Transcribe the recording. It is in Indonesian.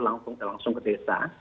langsung ke desa